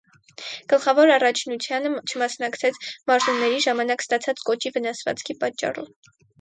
Գլխավոր առաջնությանը չմասնակցեց մարզումների ժամանակ ստացած կոճի վնասվածքի պատճառով։